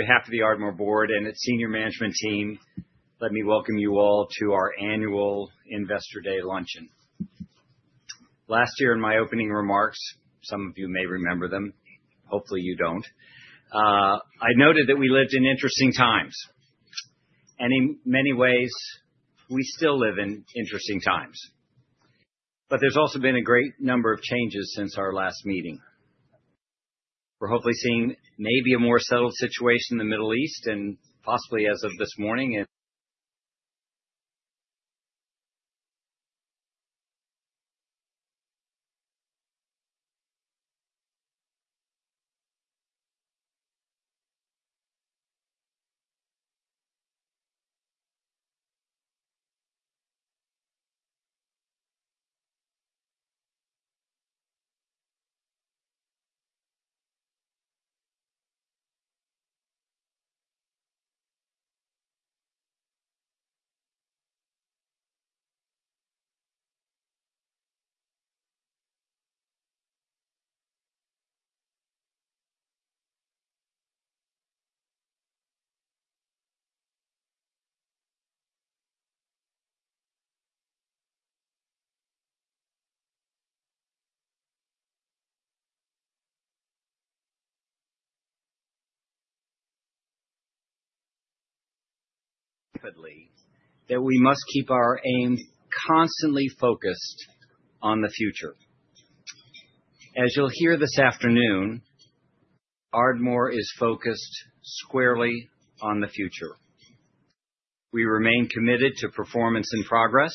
On behalf of the Ardmore Board and its Senior Management Team, let me welcome you all to our annual Investor Day luncheon. Last year, in my opening remarks (some of you may remember them, hopefully you don't), I noted that we lived in interesting times. And in many ways, we still live in interesting times. But there's also been a great number of changes since our last meeting. We're hopefully seeing maybe a more settled situation in the Middle East, and possibly as of this morning. Tightly, that we must keep our aims constantly focused on the future. As you'll hear this afternoon, Ardmore is focused squarely on the future. We remain committed to performance and progress,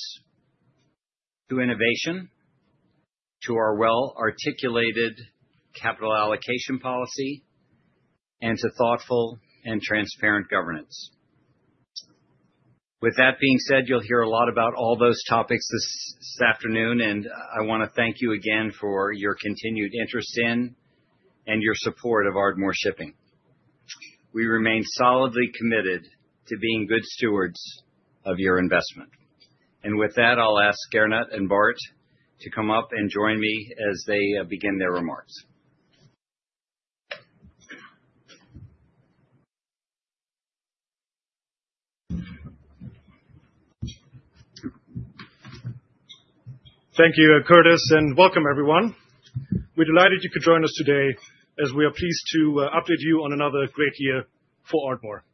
to innovation, to our well-articulated capital allocation policy, and to thoughtful and transparent governance. With that being said, you'll hear a lot about all those topics this afternoon, and I want to thank you again for your continued interest in and your support of Ardmore Shipping. We remain solidly committed to being good stewards of your investment. And with that, I'll ask Gernot and Bart to come up and join me as they begin their remarks. Thank you, Curtis, and welcome, everyone. We're delighted you could join us today, as we are pleased to update you on another great year for Ardmore.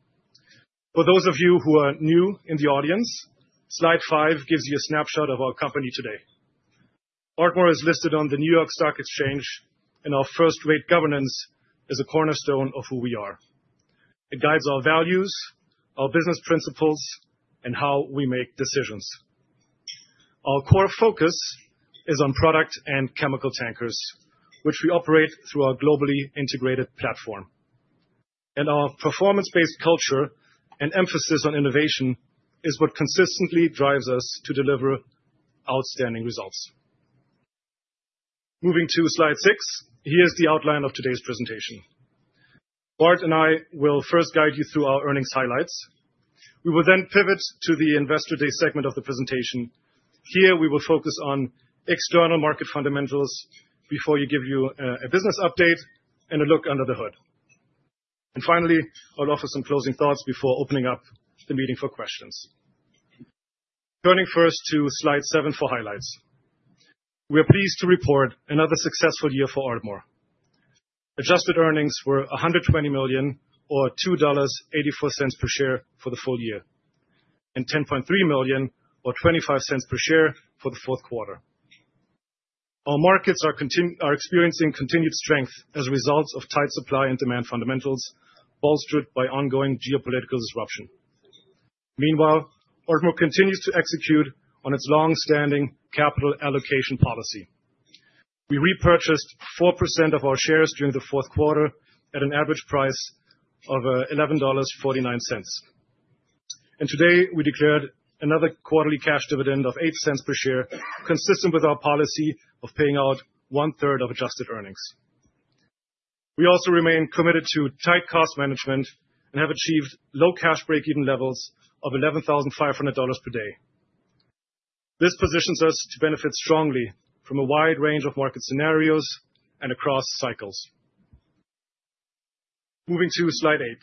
For those of you who are new in the audience, slide five gives you a snapshot of our company today. Ardmore is listed on the New York Stock Exchange, and our first-rate governance is a cornerstone of who we are. It guides our values, our business principles, and how we make decisions. Our core focus is on product and chemical tankers, which we operate through our globally integrated platform, and our performance-based culture and emphasis on innovation is what consistently drives us to deliver outstanding results. Moving to slide six, here's the outline of today's presentation. Bart and I will first guide you through our earnings highlights. We will then pivot to the Investor Day segment of the presentation. Here, we will focus on external market fundamentals before we give you a business update and a look under the hood, and finally, I'll offer some closing thoughts before opening up the meeting for questions. Turning first to slide seven for highlights. We are pleased to report another successful year for Ardmore. Adjusted earnings were $120 million, or $2.84 per share for the full year, and $10.3 million, or $0.25 per share for the fourth quarter. Our markets are experiencing continued strength as a result of tight supply and demand fundamentals bolstered by ongoing geopolitical disruption. Meanwhile, Ardmore continues to execute on its long-standing Capital Allocation Policy. We repurchased 4% of our shares during the fourth quarter at an average price of $11.49, and today, we declared another quarterly cash dividend of $0.08 per share, consistent with our policy of paying out one-third of adjusted earnings. We also remain committed to tight cost management and have achieved low cash break-even levels of $11,500 per day. This positions us to benefit strongly from a wide range of market scenarios and across cycles. Moving to slide eight.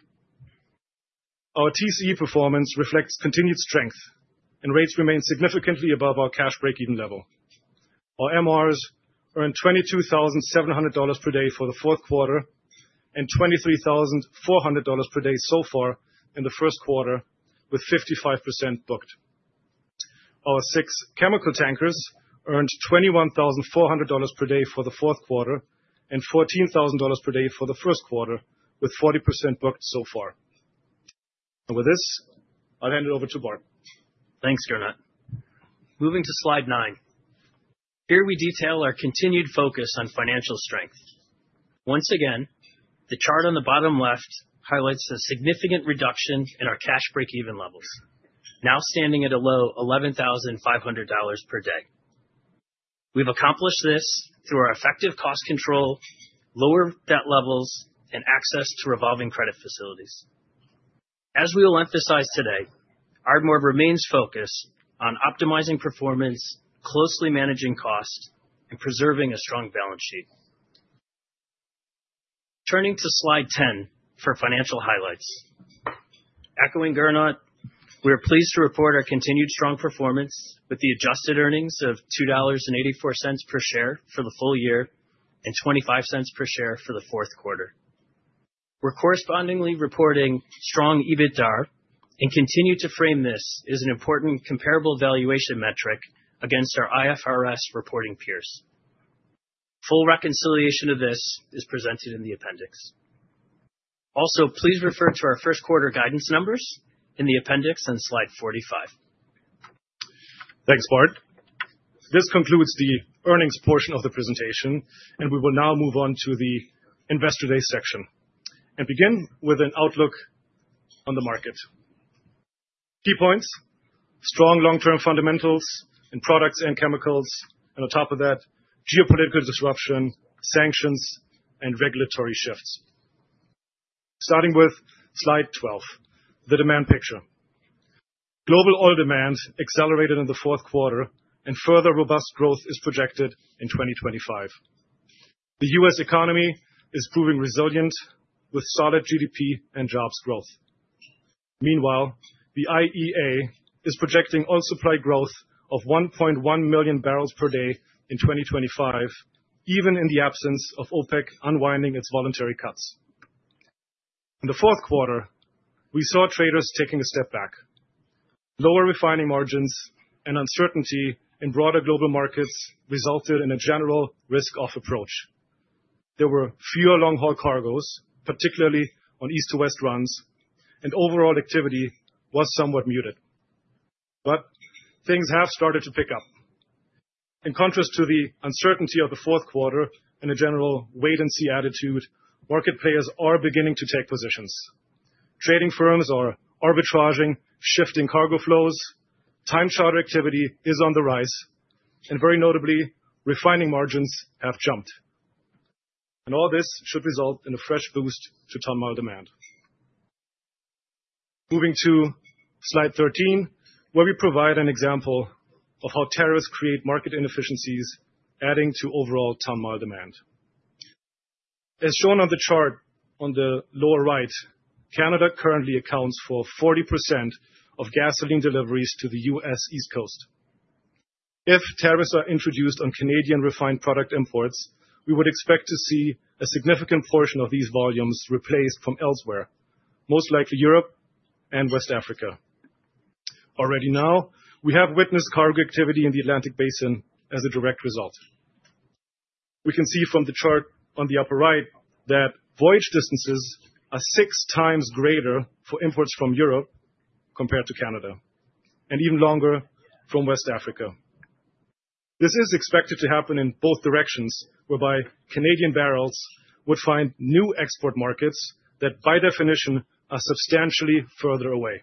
Our TCE performance reflects continued strength, and rates remain significantly above our cash break-even level. Our MRs earned $22,700 per day for the fourth quarter and $23,400 per day so far in the first quarter, with 55% booked. Our six chemical tankers earned $21,400 per day for the fourth quarter and $14,000 per day for the first quarter, with 40% booked so far. And with this, I'll hand it over to Bart. Thanks, Gernot. Moving to slide nine. Here we detail our continued focus on financial strength. Once again, the chart on the bottom left highlights a significant reduction in our cash break-even levels, now standing at a low $11,500 per day. We've accomplished this through our effective cost control, lower debt levels, and access to revolving credit facilities. As we will emphasize today, Ardmore remains focused on optimizing performance, closely managing cost, and preserving a strong balance sheet. Turning to slide 10 for financial highlights. Echoing Gernot, we are pleased to report our continued strong performance with the adjusted earnings of $2.84 per share for the full year and $0.25 per share for the fourth quarter. We're correspondingly reporting strong EBITDAR, and continue to frame this as an important comparable valuation metric against our IFRS reporting peers. Full reconciliation of this is presented in the appendix. Also, please refer to our first quarter guidance numbers in the Appendix on slide 45. Thanks, Bart. This concludes the earnings portion of the presentation, and we will now move on to the Investor Day section and begin with an outlook on the market. Key points: strong long-term fundamentals in products and chemicals, and on top of that, geopolitical disruption, sanctions, and regulatory shifts. Starting with slide 12, the demand picture. Global oil demand accelerated in the fourth quarter, and further robust growth is projected in 2025. The U.S. economy is proving resilient with solid GDP and jobs growth. Meanwhile, the IEA is projecting oil supply growth of 1.1 million barrels per day in 2025, even in the absence of OPEC unwinding its voluntary cuts. In the fourth quarter, we saw traders taking a step back. Lower refining margins and uncertainty in broader global markets resulted in a general risk-off approach. There were fewer long-haul cargoes, particularly on East-to-West runs, and overall activity was somewhat muted. But things have started to pick up. In contrast to the uncertainty of the fourth quarter and a general wait-and-see attitude, market players are beginning to take positions. Trading firms are arbitraging, shifting cargo flows, time charter activity is on the rise, and very notably, refining margins have jumped. And all this should result in a fresh boost to ton-mile demand. Moving to slide 13, where we provide an example of how tariffs create market inefficiencies, adding to overall ton-mile demand. As shown on the chart on the lower right, Canada currently accounts for 40% of gasoline deliveries to the U.S. East Coast. If tariffs are introduced on Canadian refined product imports, we would expect to see a significant portion of these volumes replaced from elsewhere, most likely Europe and West Africa. Already now, we have witnessed cargo activity in the Atlantic basin as a direct result. We can see from the chart on the upper right that voyage distances are six times greater for imports from Europe compared to Canada, and even longer from West Africa. This is expected to happen in both directions, whereby Canadian barrels would find new export markets that by definition are substantially further away,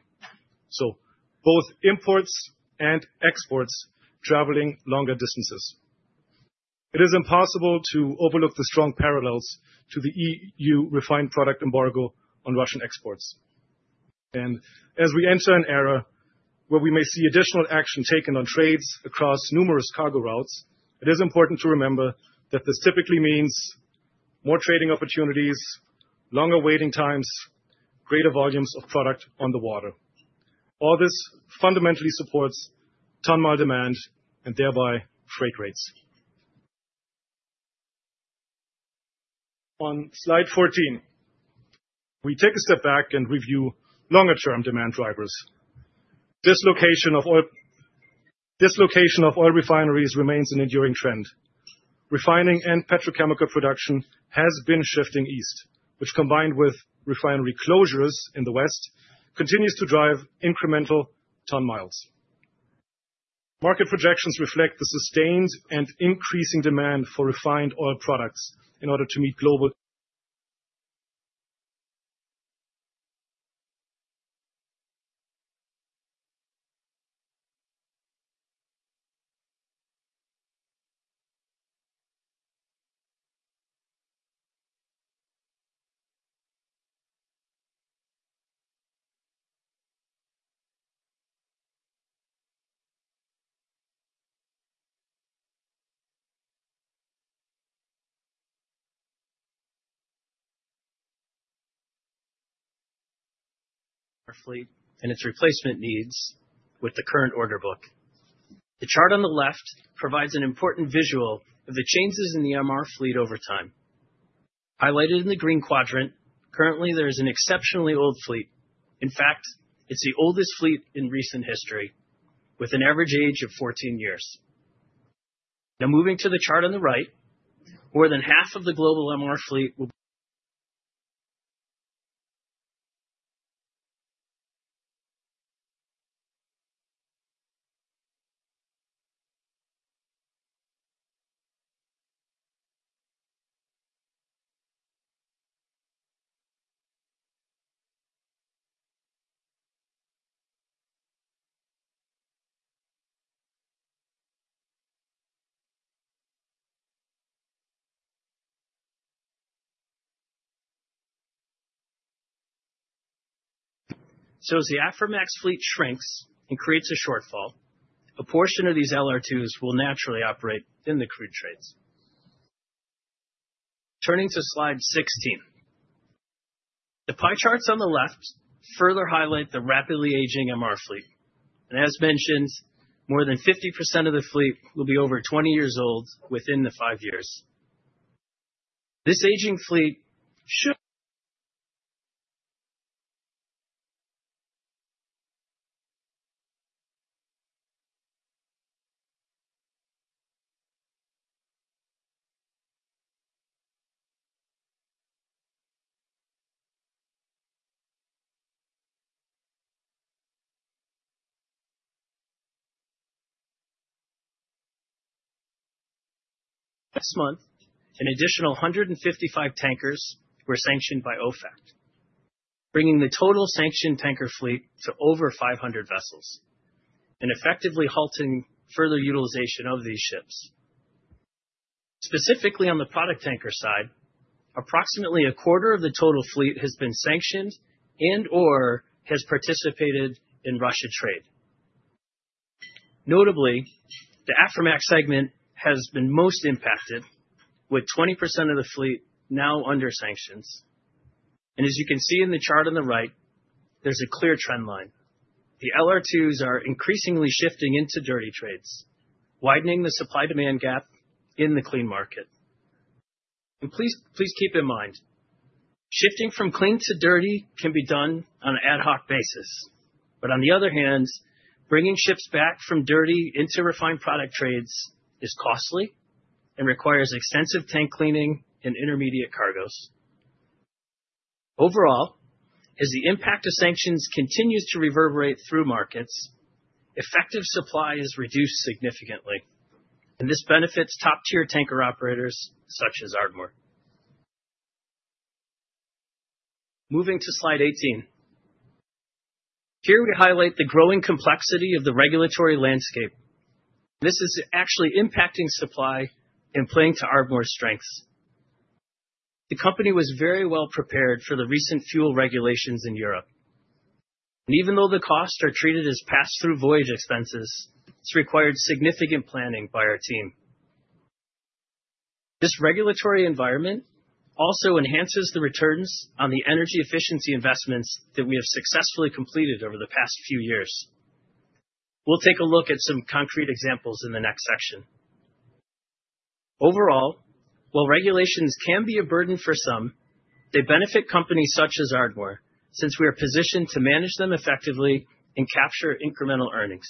so both imports and exports traveling longer distances. It is impossible to overlook the strong parallels to the E.U. refined product embargo on Russian exports, and as we enter an era where we may see additional action taken on trades across numerous cargo routes, it is important to remember that this typically means more trading opportunities, longer waiting times, greater volumes of product on the water. All this fundamentally supports ton-mile demand and thereby freight rates. On slide 14, we take a step back and review longer-term demand drivers. Dislocation of oil refineries remains an enduring trend. Refining and petrochemical production has been shifting East, which, combined with refinery closures in the West, continues to drive incremental ton miles. Market projections reflect the sustained and increasing demand for refined oil products in order to meet global fleet and its replacement needs with the current order book. The chart on the left provides an important visual of the changes in the MR fleet over time. Highlighted in the green quadrant, currently, there is an exceptionally old fleet. In fact, it's the oldest fleet in recent history, with an average age of 14 years. Now, moving to the chart on the right, more than half of the global MR fleet will. As the Aframax fleet shrinks and creates a shortfall, a portion of these LR2s will naturally operate in the crude trades. Turning to slide 16, the pie charts on the left further highlight the rapidly aging MR fleet. And as mentioned, more than 50% of the fleet will be over 20 years old within the five years. This aging fleet should this month. An additional 155 tankers were sanctioned by OFAC, bringing the total sanctioned tanker fleet to over 500 vessels and effectively halting further utilization of these ships. Specifically on the product tanker side, approximately a quarter of the total fleet has been sanctioned and/or has participated in Russia trade. Notably, the Aframax segment has been most impacted, with 20% of the fleet now under sanctions. And as you can see in the chart on the right, there's a clear trend line. The LR2s are increasingly shifting into dirty trades, widening the supply-demand gap in the clean market. Please keep in mind, shifting from clean to dirty can be done on an ad hoc basis. On the other hand, bringing ships back from dirty into refined product trades is costly and requires extensive tank cleaning and intermediate cargoes. Overall, as the impact of sanctions continues to reverberate through markets, effective supply is reduced significantly. This benefits top-tier tanker operators such as Ardmore. Moving to slide 18. Here we highlight the growing complexity of the regulatory landscape. This is actually impacting supply and playing to Ardmore's strengths. The company was very well prepared for the recent fuel regulations in Europe. Even though the costs are treated as pass-through voyage expenses, it's required significant planning by our team. This regulatory environment also enhances the returns on the energy efficiency investments that we have successfully completed over the past few years. We'll take a look at some concrete examples in the next section. Overall, while regulations can be a burden for some, they benefit companies such as Ardmore since we are positioned to manage them effectively and capture incremental earnings.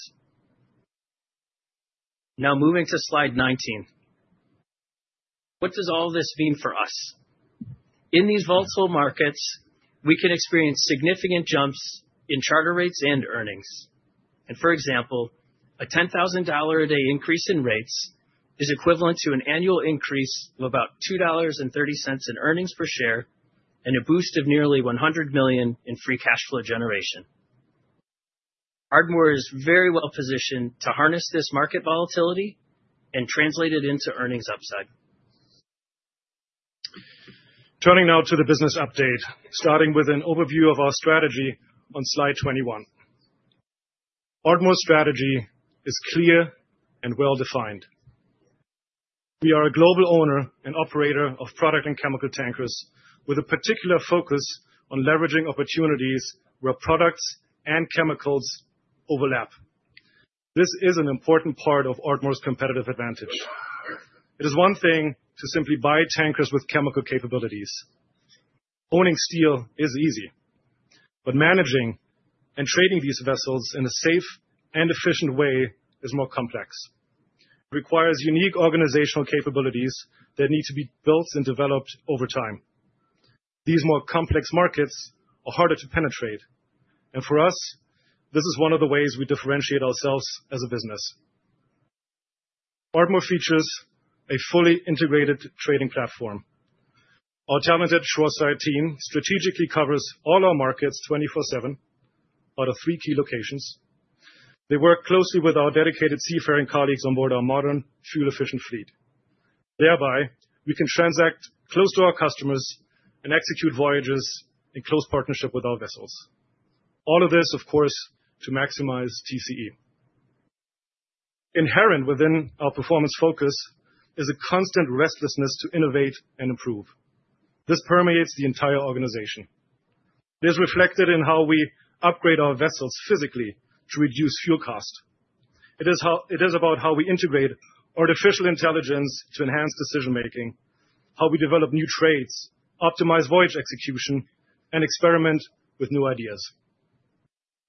Now, moving to slide 19. What does all this mean for us? In these volatile markets, we can experience significant jumps in charter rates and earnings. And for example, a $10,000 a day increase in rates is equivalent to an annual increase of about $2.30 in earnings per share and a boost of nearly $100 million in free cash flow generation. Ardmore is very well positioned to harness this market volatility and translate it into earnings upside. Turning now to the business update, starting with an overview of our strategy on slide 21. Ardmore's strategy is clear and well-defined. We are a global owner and operator of product and chemical tankers with a particular focus on leveraging opportunities where products and chemicals overlap. This is an important part of Ardmore's competitive advantage. It is one thing to simply buy tankers with chemical capabilities. Owning steel is easy, but managing and trading these vessels in a safe and efficient way is more complex. It requires unique organizational capabilities that need to be built and developed over time. These more complex markets are harder to penetrate, and for us, this is one of the ways we differentiate ourselves as a business. Ardmore features a fully integrated trading platform. Our talented shoreside team strategically covers all our markets 24/7 out of three key locations. They work closely with our dedicated seafaring colleagues onboard our modern fuel-efficient fleet. Thereby, we can transact close to our customers and execute voyages in close partnership with our vessels. All of this, of course, to maximize TCE. Inherent within our performance focus is a constant restlessness to innovate and improve. This permeates the entire organization. It is reflected in how we upgrade our vessels physically to reduce fuel cost. It is about how we integrate artificial intelligence to enhance decision-making, how we develop new trades, optimize voyage execution, and experiment with new ideas,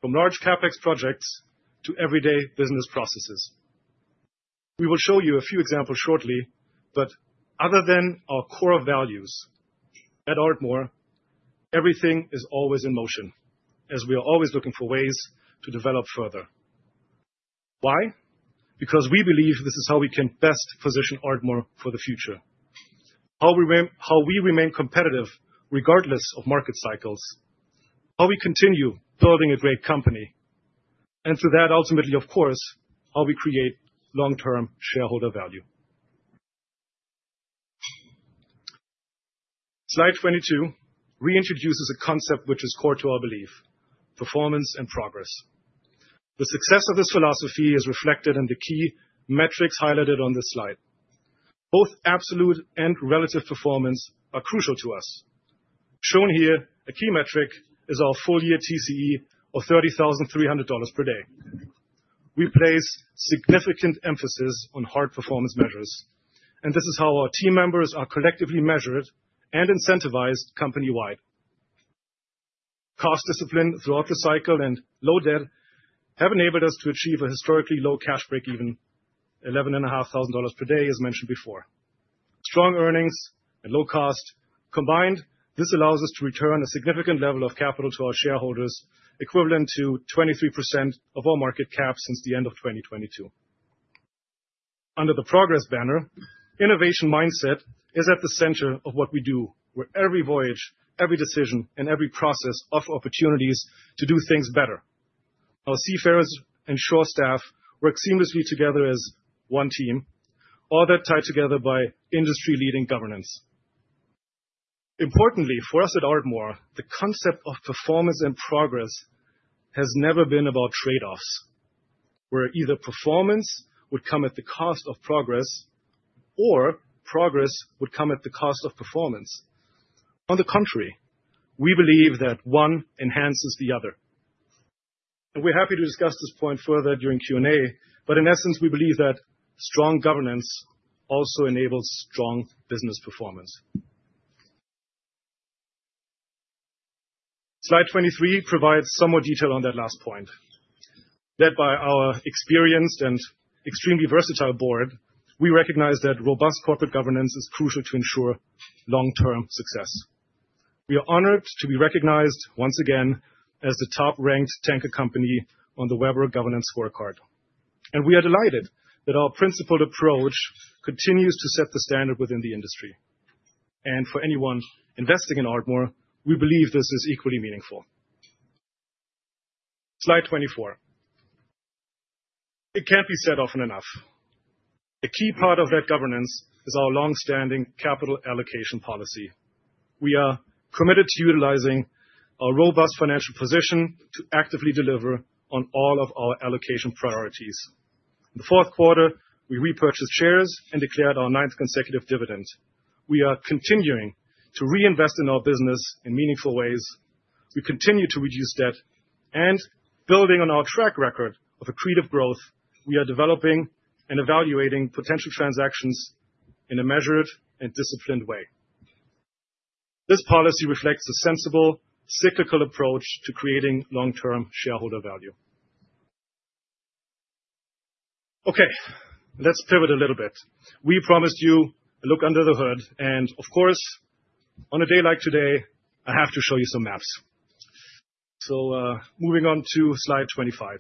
from large capex projects to everyday business processes. We will show you a few examples shortly, but other than our core values at Ardmore, everything is always in motion as we are always looking for ways to develop further. Why? Because we believe this is how we can best position Ardmore for the future, how we remain competitive regardless of market cycles, how we continue building a great company, and through that, ultimately, of course, how we create long-term shareholder value. Slide 22 reintroduces a concept which is core to our belief: performance and progress. The success of this philosophy is reflected in the key metrics highlighted on this slide. Both absolute and relative performance are crucial to us. Shown here, a key metric is our full-year TCE of $30,300 per day. We place significant emphasis on hard performance measures, and this is how our team members are collectively measured and incentivized company-wide. Cost discipline throughout the cycle and low debt have enabled us to achieve a historically low cash break-even, $11,500 per day, as mentioned before. Strong earnings and low cost combined, this allows us to return a significant level of capital to our shareholders, equivalent to 23% of our market cap since the end of 2022. Under the progress banner, innovation mindset is at the center of what we do, where every voyage, every decision, and every process offer opportunities to do things better. Our seafarers and shore staff work seamlessly together as one team, all that tied together by industry-leading governance. Importantly, for us at Ardmore, the concept of performance and progress has never been about trade-offs, where either performance would come at the cost of progress or progress would come at the cost of performance. On the contrary, we believe that one enhances the other. And we're happy to discuss this point further during Q&A, but in essence, we believe that strong governance also enables strong business performance. Slide 23 provides some more detail on that last point. Led by our experienced and extremely versatile board, we recognize that robust corporate governance is crucial to ensure long-term success. We are honored to be recognized once again as the top-ranked tanker company on the Webber Governance Scorecard. And we are delighted that our principled approach continues to set the standard within the industry. And for anyone investing in Ardmore, we believe this is equally meaningful. Slide 24. It can't be said often enough. A key part of that governance is our long-standing capital allocation policy. We are committed to utilizing our robust financial position to actively deliver on all of our allocation priorities. In the fourth quarter, we repurchased shares and declared our ninth consecutive dividend. We are continuing to reinvest in our business in meaningful ways. We continue to reduce debt. Building on our track record of accretive growth, we are developing and evaluating potential transactions in a measured and disciplined way. This policy reflects a sensible, cyclical approach to creating long-term shareholder value. Okay, let's pivot a little bit. We promised you a look under the hood. Of course, on a day like today, I have to show you some maps. Moving on to slide 25.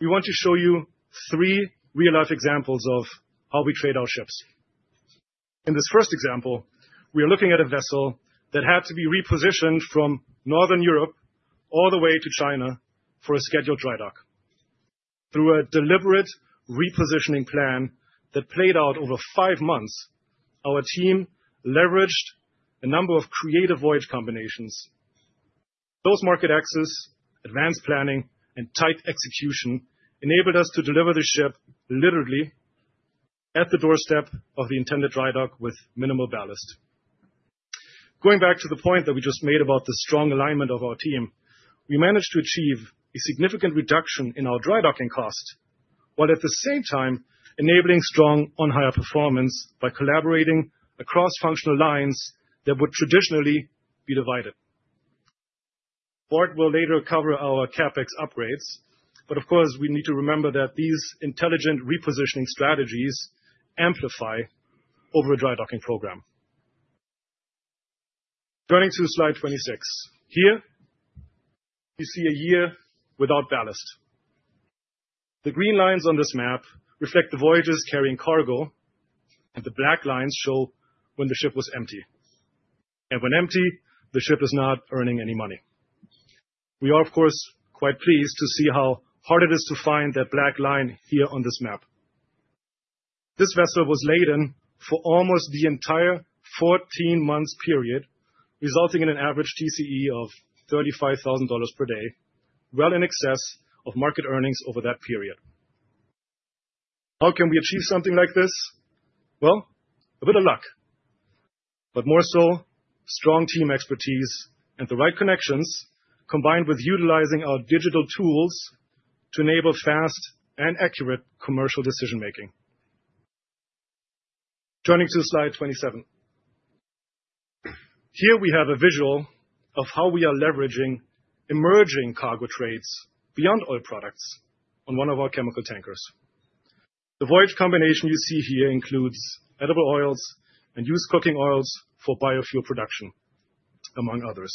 We want to show you three real-life examples of how we trade our ships. In this first example, we are looking at a vessel that had to be repositioned from Northern Europe all the way to China for a scheduled drydock. Through a deliberate repositioning plan that played out over five months, our team leveraged a number of creative voyage combinations. Those market access, advanced planning, and tight execution enabled us to deliver the ship literally at the doorstep of the intended drydock with minimal ballast. Going back to the point that we just made about the strong alignment of our team, we managed to achieve a significant reduction in our drydocking cost while at the same time enabling strong on-hire performance by collaborating across functional lines that would traditionally be divided. Bart will later cover our capex upgrades, but of course, we need to remember that these intelligent repositioning strategies amplify over a drydocking program. Turning to slide 26. Here, you see a year without ballast. The green lines on this map reflect the voyages carrying cargo, and the black lines show when the ship was empty, and when empty, the ship is not earning any money. We are, of course, quite pleased to see how hard it is to find that black line here on this map. This vessel was laden for almost the entire 14-month period, resulting in an average TCE of $35,000 per day, well in excess of market earnings over that period. How can we achieve something like this? Well, a bit of luck, but more so strong team expertise and the right connections combined with utilizing our digital tools to enable fast and accurate commercial decision-making. Turning to slide 27. Here, we have a visual of how we are leveraging emerging cargo trades beyond oil products on one of our chemical tankers. The voyage combination you see here includes edible oils and used cooking oils for biofuel production, among others.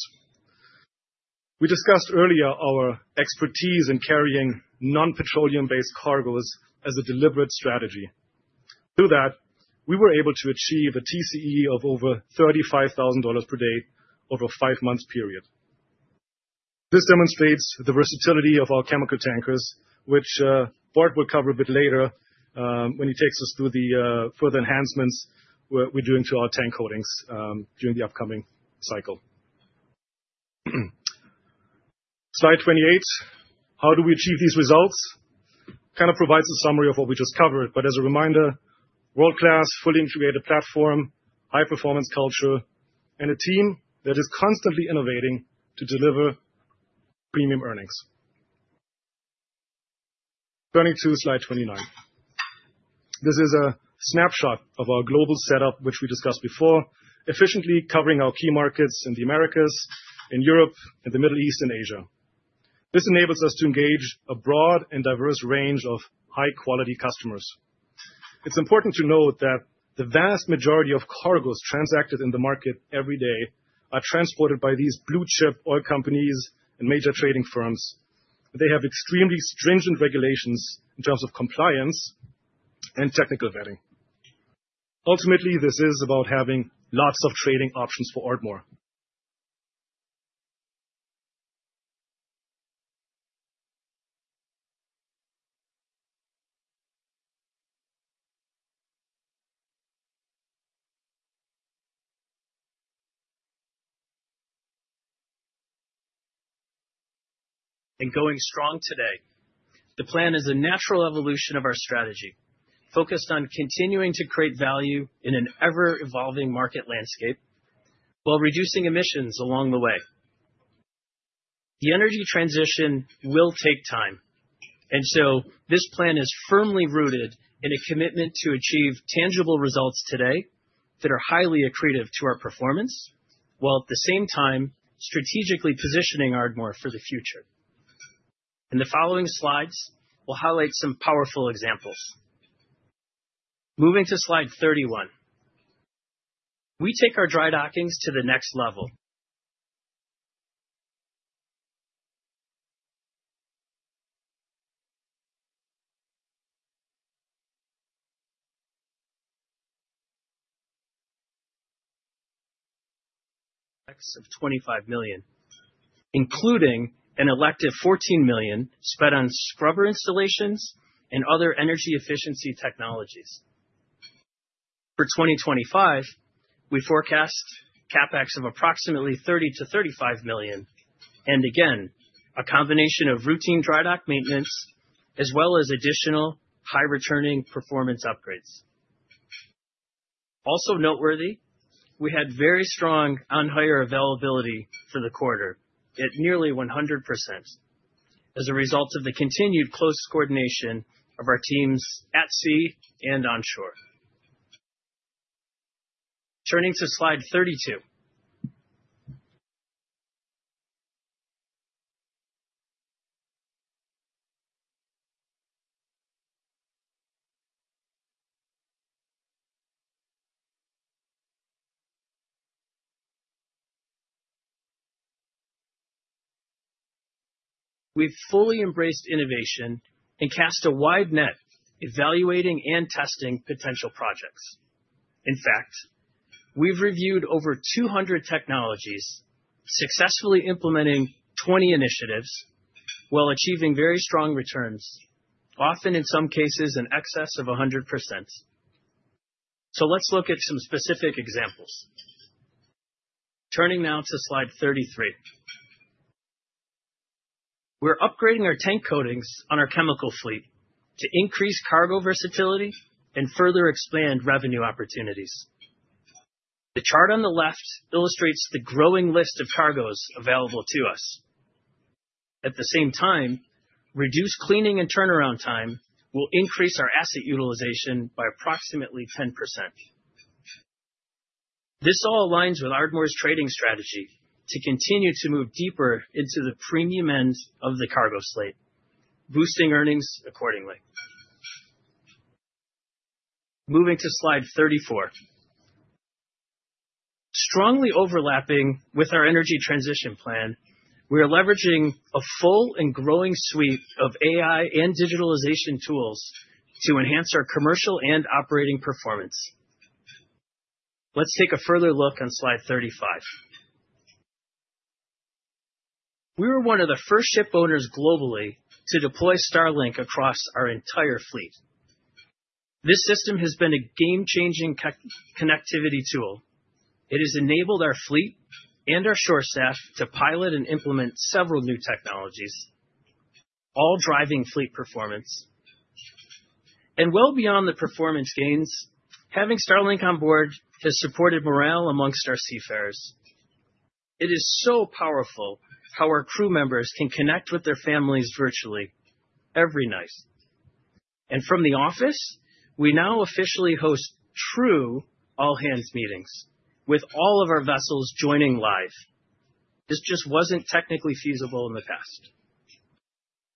We discussed earlier our expertise in carrying non-petroleum-based cargoes as a deliberate strategy. Through that, we were able to achieve a TCE of over $35,000 per day over a five-month period. This demonstrates the versatility of our chemical tankers, which Bart will cover a bit later when he takes us through the further enhancements we're doing to our tank holdings during the upcoming cycle. Slide 28. How do we achieve these results? Kind of provides a summary of what we just covered, but as a reminder, world-class, fully integrated platform, high-performance culture, and a team that is constantly innovating to deliver premium earnings. Turning to Slide 29. This is a snapshot of our global setup, which we discussed before, efficiently covering our key markets in the Americas, in Europe, in the Middle East, and Asia. This enables us to engage a broad and diverse range of high-quality customers. It's important to note that the vast majority of cargoes transacted in the market every day are transported by these blue-chip oil companies and major trading firms. They have extremely stringent regulations in terms of compliance and technical vetting. Ultimately, this is about having lots of trading options for Ardmore. And going strong today. The plan is a natural evolution of our strategy focused on continuing to create value in an ever-evolving market landscape while reducing emissions along the way. The energy transition will take time, and so this plan is firmly rooted in a commitment to achieve tangible results today that are highly accretive to our performance while at the same time strategically positioning Ardmore for the future. In the following slides, we'll highlight some powerful examples. Moving to slide 31. We take our drydockings to the next level. Of $25 million, including an elective $14 million spent on scrubber installations and other energy efficiency technologies. For 2025, we forecast capex of approximately $30 million-$35 million. And again, a combination of routine drydock maintenance as well as additional high-returning performance upgrades. Also noteworthy, we had very strong on-hire availability for the quarter at nearly 100% as a result of the continued close coordination of our teams at sea and onshore. Turning to slide 32. We've fully embraced innovation and cast a wide net evaluating and testing potential projects. In fact, we've reviewed over 200 technologies, successfully implementing 20 initiatives while achieving very strong returns, often in some cases in excess of 100%. So let's look at some specific examples. Turning now to slide 33. We're upgrading our tank coatings on our chemical fleet to increase cargo versatility and further expand revenue opportunities. The chart on the left illustrates the growing list of cargoes available to us. At the same time, reduced cleaning and turnaround time will increase our asset utilization by approximately 10%. This all aligns with Ardmore's trading strategy to continue to move deeper into the premium ends of the cargo slate, boosting earnings accordingly. Moving to slide 34. Strongly overlapping with our energy transition plan, we are leveraging a full and growing suite of AI and digitalization tools to enhance our commercial and operating performance. Let's take a further look on slide 35. We were one of the first ship owners globally to deploy Starlink across our entire fleet. This system has been a game-changing connectivity tool. It has enabled our fleet and our shore staff to pilot and implement several new technologies, all driving fleet performance. Well beyond the performance gains, having Starlink on board has supported morale among our seafarers. It is so powerful how our crew members can connect with their families virtually every night. From the office, we now officially host true all-hands meetings with all of our vessels joining live. This just wasn't technically feasible in the past.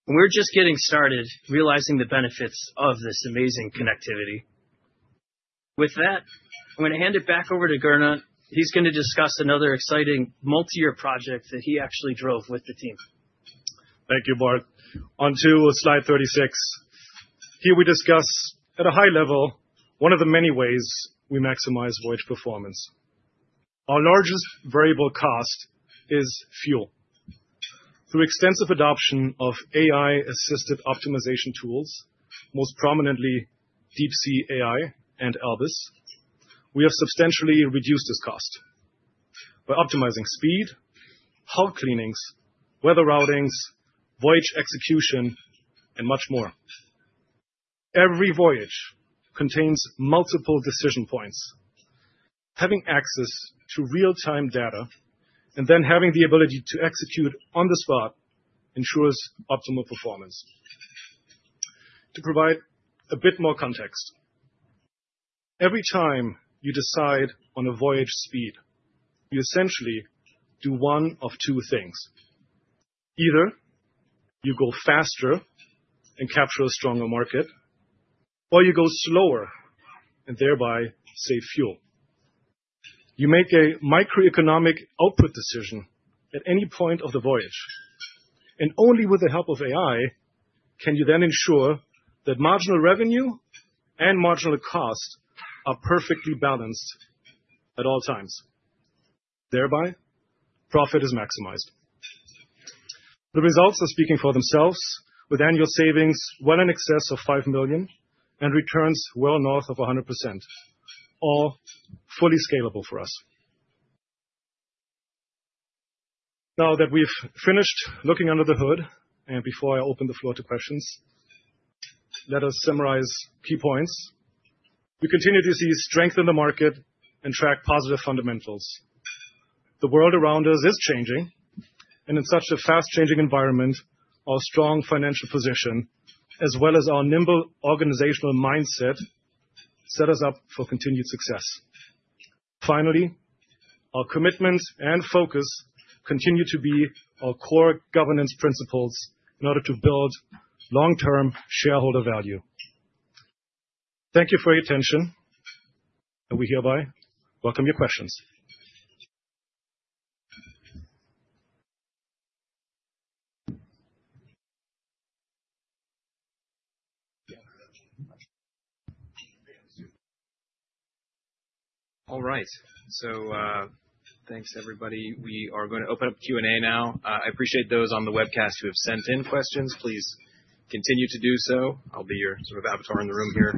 We're just getting started realizing the benefits of this amazing connectivity. With that, I'm going to hand it back over to Gernot. He's going to discuss another exciting multi-year project that he actually drove with the team. Thank you, Bart. On to slide 36. Here we discuss at a high level one of the many ways we maximize voyage performance. Our largest variable cost is fuel. Through extensive adoption of AI-assisted optimization tools, most prominently DeepSea AI and ALBIS, we have substantially reduced this cost by optimizing speed, hull cleanings, weather routings, voyage execution, and much more. Every voyage contains multiple decision points. Having access to real-time data and then having the ability to execute on the spot ensures optimal performance. To provide a bit more context, every time you decide on a voyage speed, you essentially do one of two things. Either you go faster and capture a stronger market, or you go slower and thereby save fuel. You make a microeconomic output decision at any point of the voyage. And only with the help of AI can you then ensure that marginal revenue and marginal cost are perfectly balanced at all times. Thereby, profit is maximized. The results are speaking for themselves with annual savings well in excess of $5 million and returns well north of 100%, all fully scalable for us. Now that we've finished looking under the hood and before I open the floor to questions, let us summarize key points. We continue to see strength in the market and track positive fundamentals. The world around us is changing, and in such a fast-changing environment, our strong financial position as well as our nimble organizational mindset set us up for continued success. Finally, our commitment and focus continue to be our core governance principles in order to build long-term shareholder value. Thank you for your attention, and we hereby welcome your questions. All right. So thanks, everybody. We are going to open up Q&A now. I appreciate those on the webcast who have sent in questions. Please continue to do so. I'll be your sort of avatar in the room here,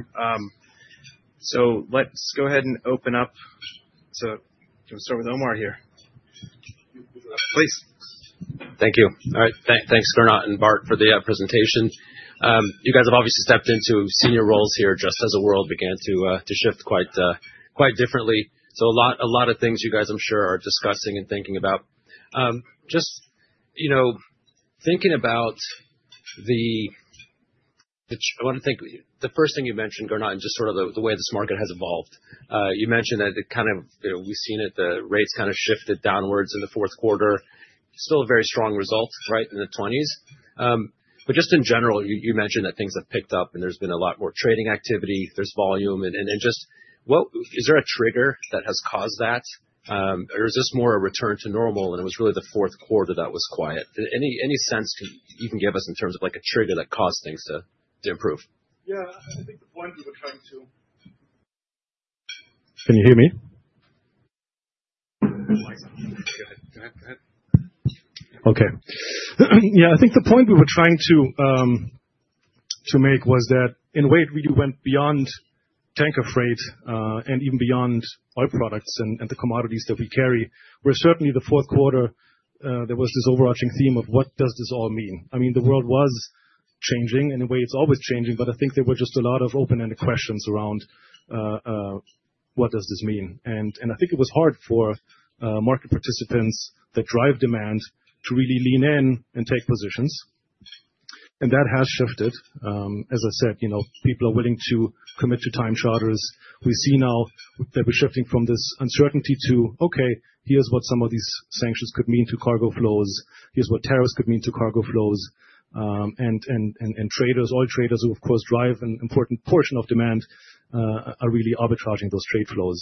so let's go ahead and open up, so can we start with Omar here? Please. Thank you. All right. Thanks, Gernot and Bart, for the presentation. You guys have obviously stepped into senior roles here just as the world began to shift quite differently, so a lot of things you guys, I'm sure, are discussing and thinking about. Just thinking about the—I want to think the first thing you mentioned, Gernot, and just sort of the way this market has evolved. You mentioned that, kind of, we've seen the rates kind of shifted downwards in the fourth quarter. Still a very strong result, right, in the 20s, but just in general, you mentioned that things have picked up and there's been a lot more trading activity. There's volume, and just, is there a trigger that has caused that? Or is this more a return to normal and it was really the fourth quarter that was quiet? Any sense you can give us in terms of a trigger that caused things to improve? Yeah. I think the point we were trying to make was that in a way, we went beyond tanker freight and even beyond oil products and the commodities that we carry. Where certainly the fourth quarter, there was this overarching theme of what does this all mean? I mean, the world was changing in a way. It's always changing, but I think there were just a lot of open-ended questions around what does this all mean? And I think it was hard for market participants that drive demand to really lean in and take positions. And that has shifted. As I said, people are willing to commit to time charters. We see now that we're shifting from this uncertainty to, okay, here's what some of these sanctions could mean to cargo flows. Here's what tariffs could mean to cargo flows. And traders, oil traders who, of course, drive an important portion of demand, are really arbitraging those trade flows.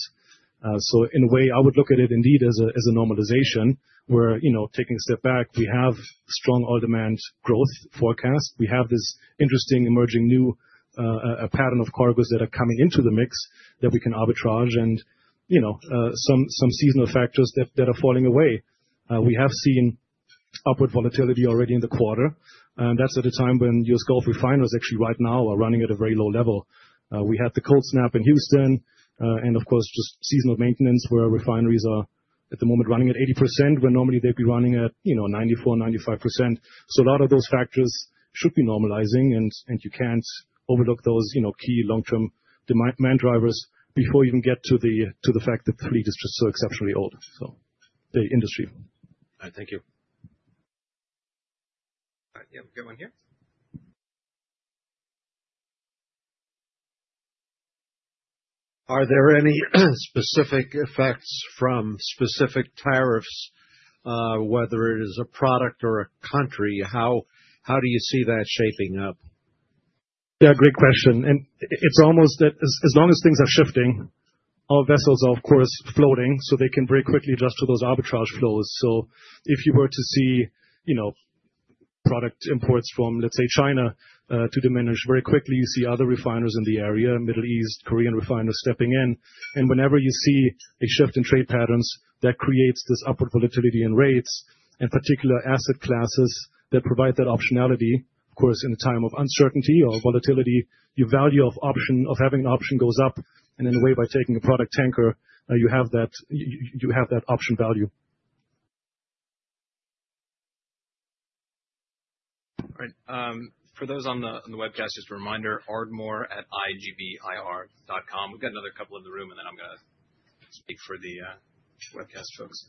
So in a way, I would look at it indeed as a normalization where taking a step back, we have strong oil demand growth forecasts. We have this interesting emerging new pattern of cargoes that are coming into the mix that we can arbitrage and some seasonal factors that are falling away. We have seen upward volatility already in the quarter. And that's at a time when U.S. Gulf refineries actually right now are running at a very low level. We had the cold snap in Houston and, of course, just seasonal maintenance where refineries are at the moment running at 80% when normally they'd be running at 94%-95%. So a lot of those factors should be normalizing and you can't overlook those key long-term demand drivers before you even get to the fact that the fleet is just so exceptionally old. So the industry. All right. Thank you. All right. Yeah. We've got one here. Are there any specific effects from specific tariffs, whether it is a product or a country? How do you see that shaping up? Yeah. Great question. And it's almost that as long as things are shifting, our vessels are, of course, floating so they can very quickly adjust to those arbitrage flows. If you were to see product imports from, let's say, China to diminish very quickly, you see other refineries in the area, Middle East, Korean refineries stepping in. And whenever you see a shift in trade patterns, that creates this upward volatility in rates and particular asset classes that provide that optionality. Of course, in a time of uncertainty or volatility, your value of having an option goes up. And in a way, by taking a product tanker, you have that option value. All right. For those on the webcast, just a reminder, Ardmore@igbir.com. We've got another couple in the room and then I'm going to speak for the webcast folks.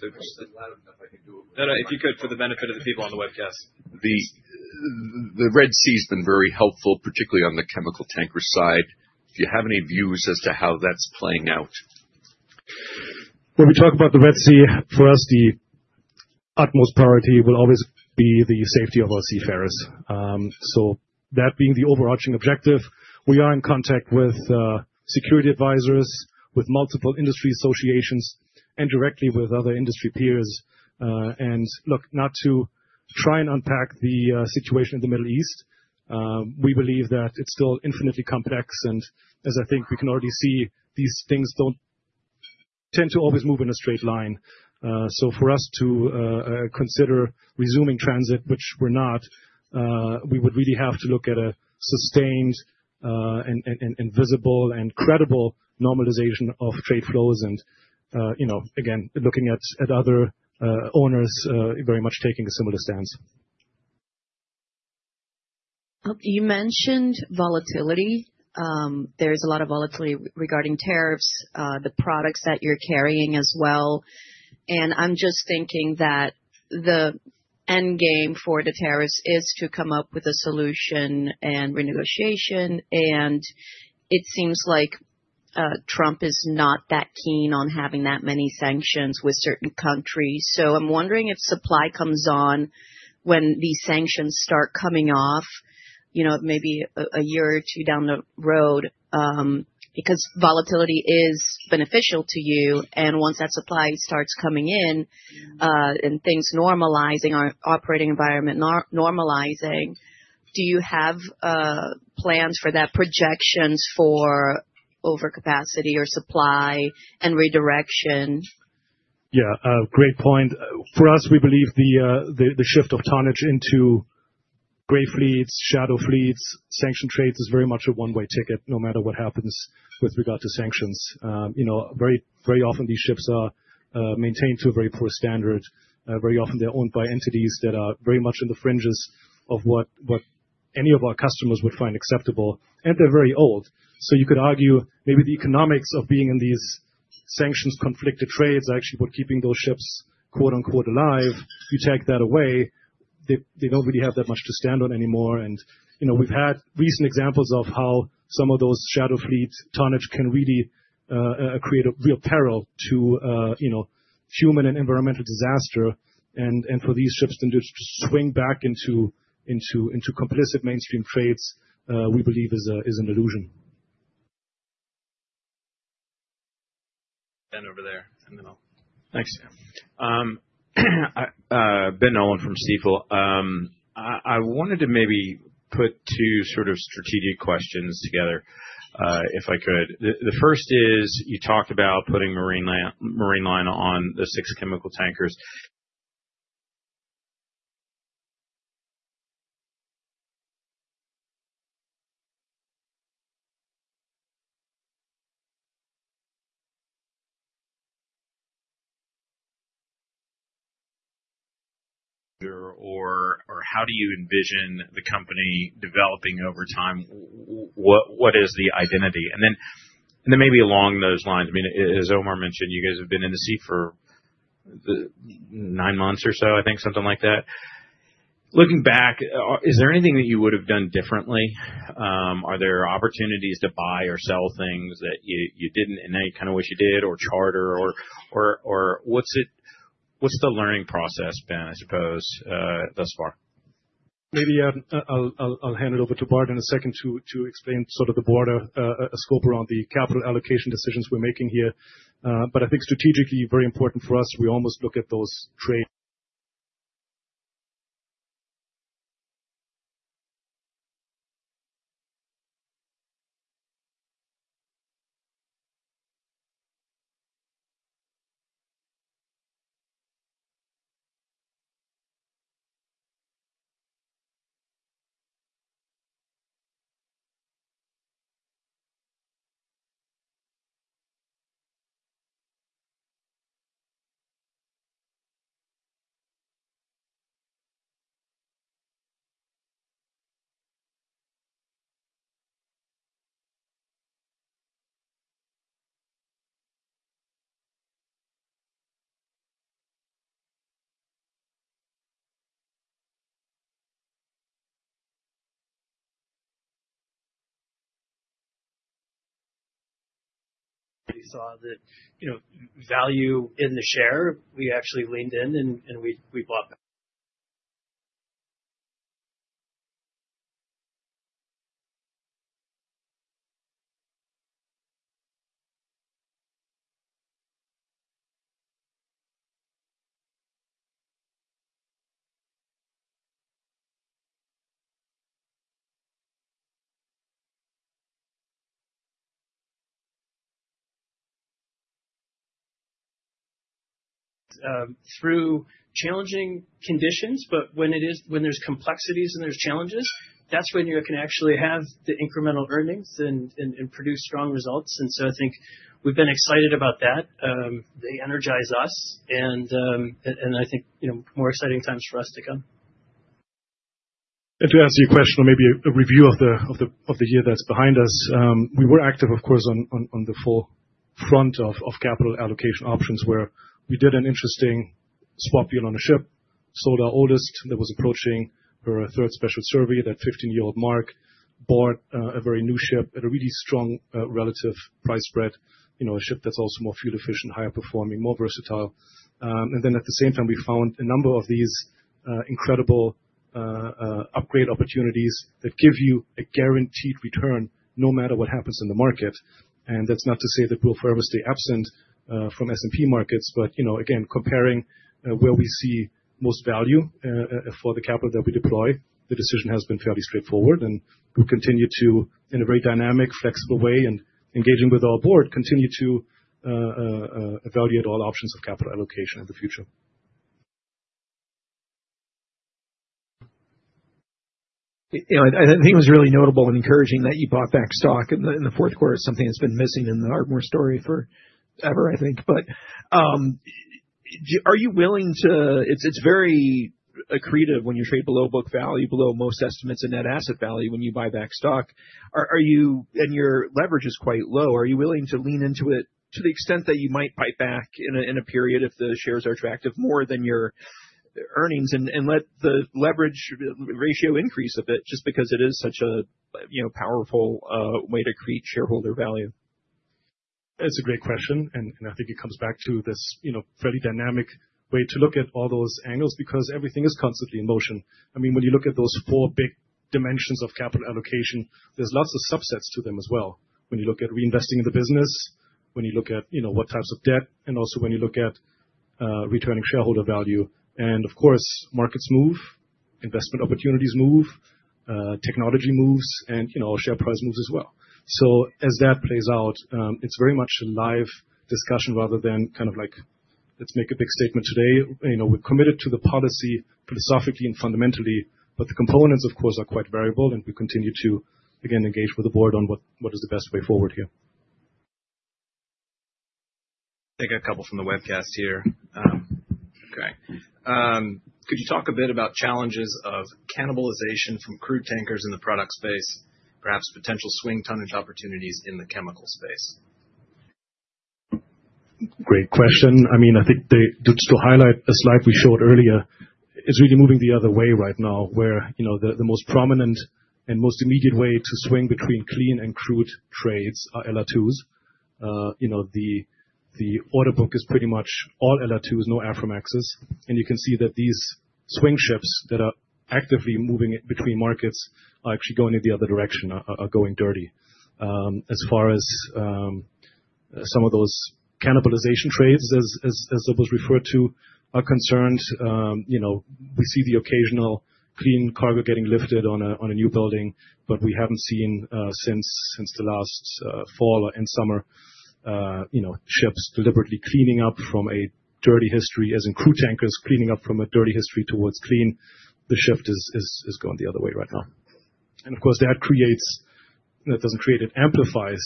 So if you could say loud enough, I can do it. No, no. If you could for the benefit of the people on the webcast. The Red Sea has been very helpful, particularly on the chemical tanker side. If you have any views as to how that's playing out? When we talk about the Red Sea, for us, the utmost priority will always be the safety of our seafarers, so that being the overarching objective, we are in contact with security advisors, with multiple industry associations, and directly with other industry peers, and look, not to try and unpack the situation in the Middle East, we believe that it's still infinitely complex, and as I think we can already see, these things don't tend to always move in a straight line, so for us to consider resuming transit, which we're not, we would really have to look at a sustained and visible and credible normalization of trade flows, and again, looking at other owners very much taking a similar stance. You mentioned volatility. There's a lot of volatility regarding tariffs, the products that you're carrying as well. And I'm just thinking that the end game for the tariffs is to come up with a solution and renegotiation. And it seems like Trump is not that keen on having that many sanctions with certain countries. So I'm wondering if supply comes on when these sanctions start coming off, maybe a year or two down the road, because volatility is beneficial to you. And once that supply starts coming in and things normalizing, our operating environment normalizing, do you have plans for that projections for overcapacity or supply and redirection? Yeah. Great point. For us, we believe the shift of tonnage into gray fleets, shadow fleets, sanctioned trades is very much a one-way ticket no matter what happens with regard to sanctions. Very often, these ships are maintained to a very poor standard. Very often, they're owned by entities that are very much in the fringes of what any of our customers would find acceptable. And they're very old. So you could argue maybe the economics of being in these sanctions-conflicted trades actually were keeping those ships "alive." You take that away, they don't really have that much to stand on anymore. And we've had recent examples of how some of those shadow fleet tonnage can really create a real peril to human and environmental disaster. And for these ships then to swing back into complicit mainstream trades, we believe is an illusion. Ben over there, and then I'll. Thanks. Ben Nolan from Stifel. I wanted to maybe put two sort of strategic questions together if I could. The first is you talked about putting MarineLine on the six chemical tankers. Or how do you envision the company developing over time? What is the identity? Then maybe along those lines, I mean, as Omar mentioned, you guys have been in the CEO seat for nine months or so, I think, something like that. Looking back, is there anything that you would have done differently? Are there opportunities to buy or sell things that you didn't and then you kind of wish you did or charter? Or what's the learning process been, I suppose, thus far? Maybe I'll hand it over to Bart in a second to explain sort of the broader scope around the capital allocation decisions we're making here. I think strategically, very important for us, we almost look at those trades. We saw the value in the shares. We actually leaned in and we bought. Through challenging conditions, but when there's complexities and there's challenges, that's when you can actually have the incremental earnings and produce strong results. And so I think we've been excited about that. They energize us, and I think more exciting times for us to come. And to answer your question or maybe a review of the year that's behind us, we were active, of course, on the full front of capital allocation options where we did an interesting swap deal on a ship, sold our oldest that was approaching for a third special survey, that 15-year-old mark, bought a very new ship at a really strong relative price spread, a ship that's also more fuel efficient, higher performing, more versatile. And then at the same time, we found a number of these incredible upgrade opportunities that give you a guaranteed return no matter what happens in the market. And that's not to say that we'll forever stay absent from S&P markets. But again, comparing where we see most value for the capital that we deploy, the decision has been fairly straightforward. And we'll continue to, in a very dynamic, flexible way and engaging with our board, continue to evaluate all options of capital allocation in the future. I think it was really notable and encouraging that you bought back stock in the fourth quarter. It's something that's been missing in the Ardmore story forever, I think. But are you willing to. It's very accretive when you trade below book value, below most estimates of net asset value when you buy back stock. And your leverage is quite low. Are you willing to lean into it to the extent that you might buy back in a period if the shares are attractive more than your earnings and let the leverage ratio increase a bit just because it is such a powerful way to create shareholder value? That's a great question, and I think it comes back to this fairly dynamic way to look at all those angles because everything is constantly in motion. I mean, when you look at those four big dimensions of capital allocation, there's lots of subsets to them as well. When you look at reinvesting in the business, when you look at what types of debt, and also when you look at returning shareholder value, and of course, markets move, investment opportunities move, technology moves, and share price moves as well. So as that plays out, it's very much a live discussion rather than kind of like, let's make a big statement today. We're committed to the policy philosophically and fundamentally, but the components, of course, are quite variable, and we continue to, again, engage with the board on what is the best way forward here. I think I have a couple from the webcast here. Okay. Could you talk a bit about challenges of cannibalization from crude tankers in the product space, perhaps potential swing tonnage opportunities in the chemical space? Great question. I mean, I think to highlight a slide we showed earlier, it's really moving the other way right now where the most prominent and most immediate way to swing between clean and crude trades are LR2s. The order book is pretty much all LR2s, no Aframaxes. And you can see that these swing ships that are actively moving between markets are actually going in the other direction, are going dirty. As far as some of those cannibalization trades, as it was referred to, are concerned, we see the occasional clean cargo getting lifted on a new building, but we haven't seen since the last fall or end summer ships deliberately cleaning up from a dirty history, as in crude tankers cleaning up from a dirty history towards clean. The shift is going the other way right now. And of course, that creates - it doesn't create it, amplifies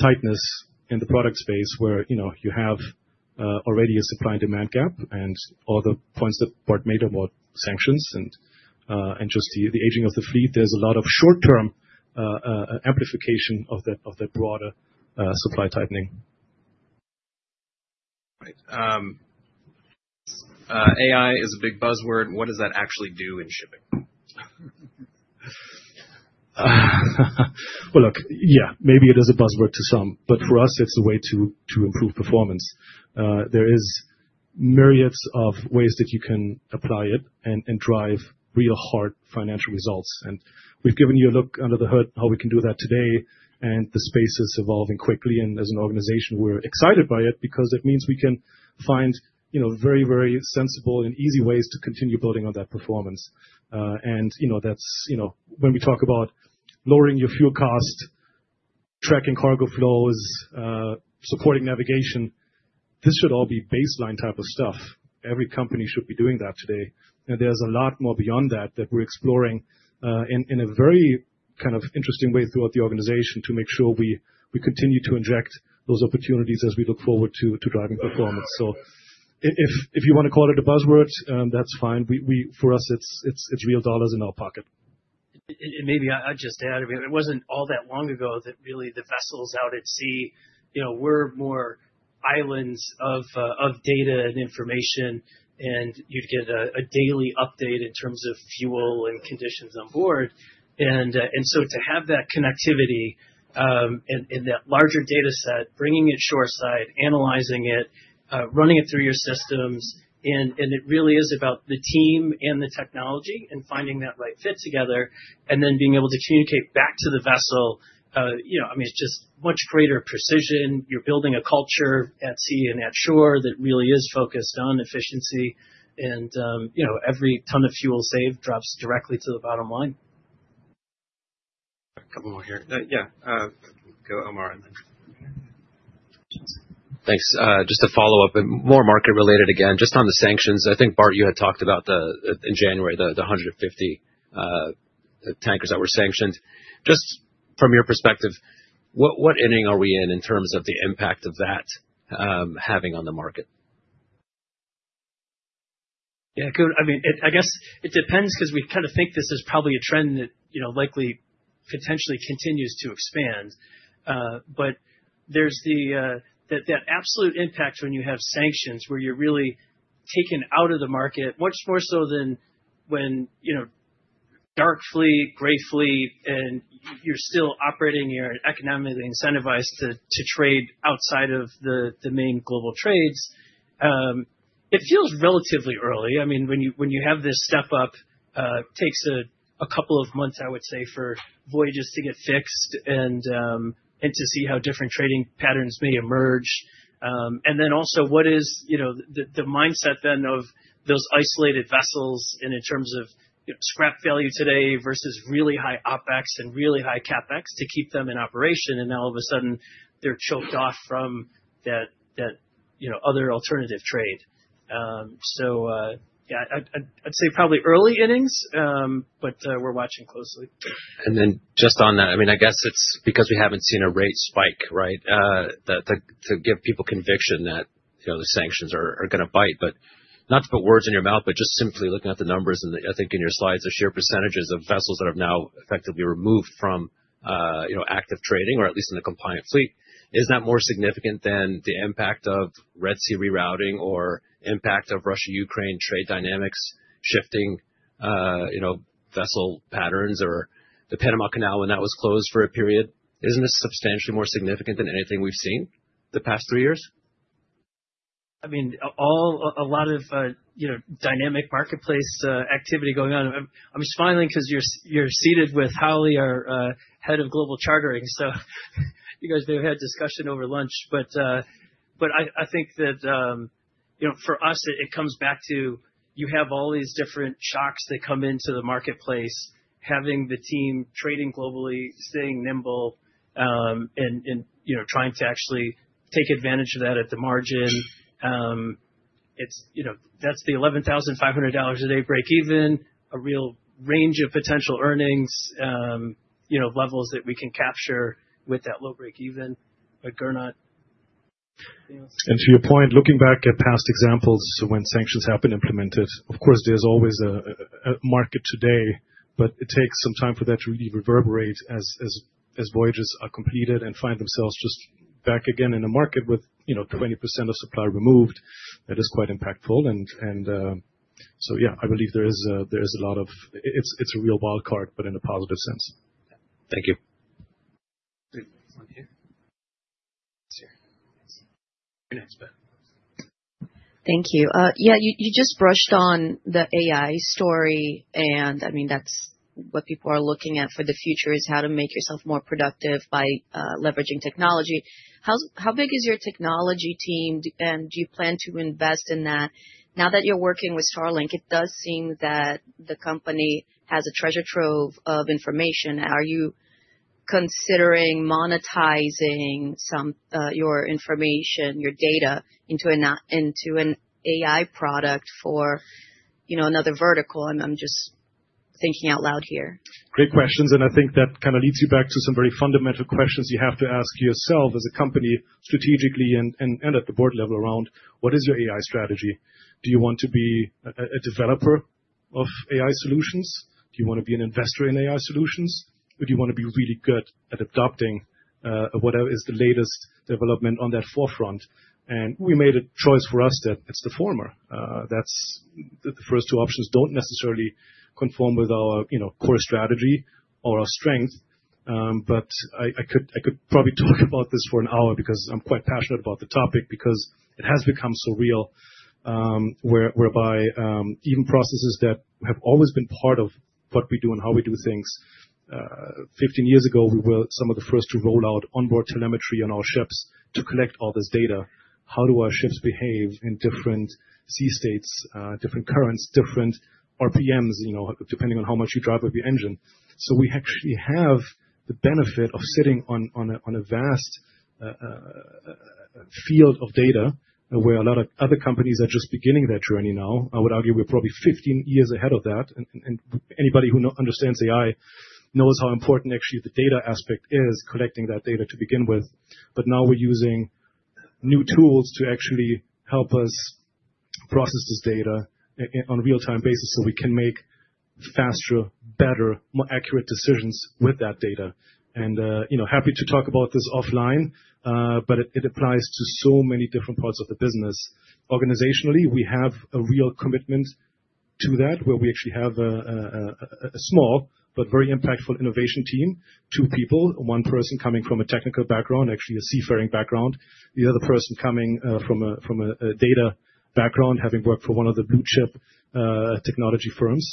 tightness in the product space where you have already a supply and demand gap. And all the points that Bart made about sanctions and just the aging of the fleet, there's a lot of short-term amplification of the broader supply tightening. Right. AI is a big buzzword. What does that actually do in shipping? Well, look, yeah, maybe it is a buzzword to some, but for us, it's a way to improve performance. There are myriads of ways that you can apply it and drive real hard financial results. And we've given you a look under the hood how we can do that today. And the space is evolving quickly. And as an organization, we're excited by it because it means we can find very, very sensible and easy ways to continue building on that performance. And when we talk about lowering your fuel cost, tracking cargo flows, supporting navigation, this should all be baseline type of stuff. Every company should be doing that today. There's a lot more beyond that that we're exploring in a very kind of interesting way throughout the organization to make sure we continue to inject those opportunities as we look forward to driving performance. If you want to call it a buzzword, that's fine. For us, it's real dollars in our pocket. Maybe I'll just add, it wasn't all that long ago that really the vessels out at sea were more islands of data and information. You'd get a daily update in terms of fuel and conditions on board. To have that connectivity in that larger data set, bringing it shoreside, analyzing it, running it through your systems, and it really is about the team and the technology and finding that right fit together, and then being able to communicate back to the vessel. I mean, it's just much greater precision. You're building a culture at sea and at shore that really is focused on efficiency. Every ton of fuel saved drops directly to the bottom line. A couple more here. Yeah. Go Omar. Thanks. Just to follow up and more market-related again, just on the sanctions. I think Bart, you had talked about in January the 150 tankers that were sanctioned. Just from your perspective, what inning are we in in terms of the impact of that having on the market? Yeah. I mean, I guess it depends because we kind of think this is probably a trend that likely potentially continues to expand. But there's that absolute impact when you have sanctions where you're really taken out of the market, much more so than when dark fleet, gray fleet, and you're still operating, you're economically incentivized to trade outside of the main global trades. It feels relatively early. I mean, when you have this step up, it takes a couple of months, I would say, for voyages to get fixed and to see how different trading patterns may emerge, and then also, what is the mindset then of those isolated vessels in terms of scrap value today versus really high opex and really high capex to keep them in operation, and now all of a sudden, they're choked off from that other alternative trade, so yeah, I'd say probably early innings, but we're watching closely. And then just on that, I mean, I guess it's because we haven't seen a rate spike, right, to give people conviction that the sanctions are going to bite. But not to put words in your mouth, but just simply looking at the numbers and I think in your slides, the sheer percentages of vessels that have now effectively removed from active trading, or at lEast in the compliant fleet, is that more significant than the impact of Red Sea rerouting or impact of Russia-Ukraine trade dynamics shifting vessel patterns or the Panama Canal when that was closed for a period? Isn't this substantially more significant than anything we've seen the past three years? I mean, a lot of dynamic marketplace activity going on. I'm smiling because you're seated with Holly, our Head of Global Chartering. So you guys may have had discussion over lunch. But I think that for us, it comes back to you have all these different shocks that come into the marketplace, having the team trading globally, staying nimble, and trying to actually take advantage of that at the margin. That's the $11,500 a day break-even, a real range of potential earnings levels that we can capture with that low break-even. Gernot. And to your point, looking back at past examples when sanctions have been implemented, of course, there's always a market today, but it takes some time for that to really reverberate as voyages are completed and find themselves just back again in a market with 20% of supply removed. That is quite impactful. And so yeah, I believe there is a lot of it's a real wild card, but in a positive sense. Thank you. Thank you. Yeah, you just brushed on the AI story. And I mean, that's what people are looking at for the future is how to make yourself more productive by leveraging technology. How big is your technology team, and do you plan to invest in that? Now that you're working with Starlink, it does seem that the company has a treasure trove of information. Are you considering monetizing some of your information, your data into an AI product for another vertical? I'm just thinking out loud here. Great questions. And I think that kind of leads you back to some very fundamental questions you have to ask yourself as a company strategically and at the board level around what is your AI strategy? Do you want to be a developer of AI solutions? Do you want to be an investor in AI solutions? Or do you want to be really good at adopting whatever is the latest development on that forefront? And we made a choice for us that it's the former. The first two options don't necessarily conform with our core strategy or our strength. But I could probably talk about this for an hour because I'm quite passionate about the topic because it has become surreal, whereby even processes that have always been part of what we do and how we do things. 15 years ago, we were some of the first to roll out onboard telemetry on our ships to collect all this data. How do our ships behave in different sea states, different currents, different RPMs, depending on how much you drive with your engine? We actually have the benefit of sitting on a vast field of data where a lot of other companies are just beginning that journey now. I would argue we're probably 15 years ahead of that. Anybody who understands AI knows how important actually the data aspect is, collecting that data to begin with. But now we're using new tools to actually help us process this data on a real-time basis so we can make faster, better, more accurate decisions with that data. Happy to talk about this offline, but it applies to so many different parts of the business. Organizationally, we have a real commitment to that where we actually have a small but very impactful innovation team, two people, one person coming from a technical background, actually a seafaring background, the other person coming from a data background, having worked for one of the blue-chip technology firms.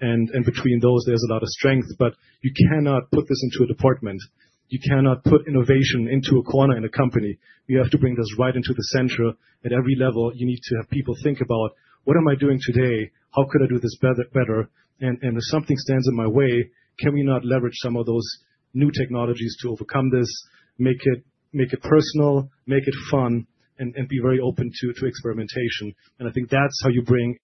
And between those, there's a lot of strength. But you cannot put this into a department. You cannot put innovation into a corner in a company. You have to bring this right into the center at every level. You need to have people think about, "What am I doing today? How could I do this better?" And if something stands in my way, can we not leverage some of those new technologies to overcome this, make it personal, make it fun, and be very open to experimentation? And I think that's how you bring.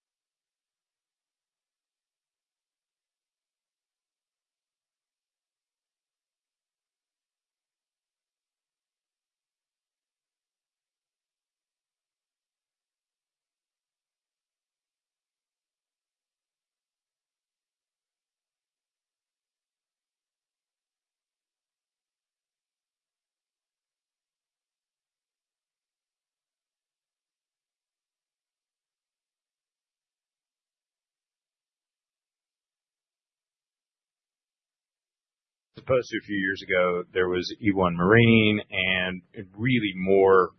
Suppose a few years ago, there was e1 Marine and really more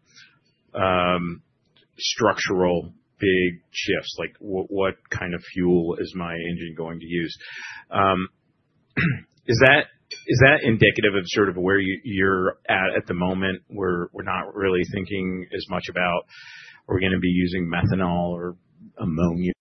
structural big shifts, like what kind of fuel is my engine going to use? Is that indicative of sort of where you're at at the moment where we're not really thinking as much about are we going to be using methanol or ammonia?